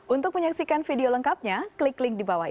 untuk menyaksikan video lengkapnya klik link di bawah ini